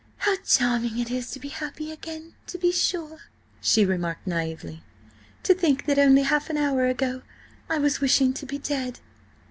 "How charming it is to be happy again, to be sure!" she remarked naïvely. "To think that only half an hour ago I was wishing to be dead!"